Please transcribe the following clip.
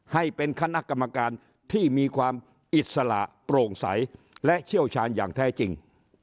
ให้เป็นคณะกรรมการที่มีความอิสระโปร่งใสและเชี่ยวชาญอย่างแท้จริง